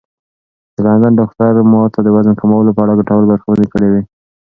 د لندن ډاکتر ما ته د وزن کمولو په اړه ګټورې لارښوونې کړې وې.